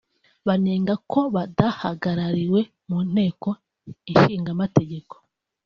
banenga ko badahagarariwe mu Nteko Ishingamategeko